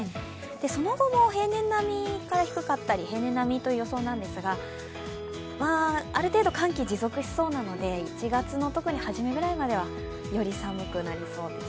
その後も平年並みか、平年より低かったりするんですがある程度、寒気は持続しそうなので１月の特に初めくらいまではより寒くなりそうです。